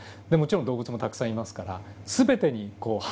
でもちろん動物もたくさんいますから。